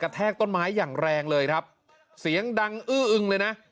แทกต้นไม้อย่างแรงเลยครับเสียงดังอื้ออึงเลยนะ